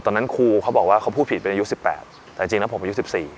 ตอนนั้นครูเขาบอกว่าเขาพูดผิดเป็นอายุ๑๘แต่จริงแล้วผมอายุ๑๔